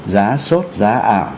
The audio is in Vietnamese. giá sốt giá ảo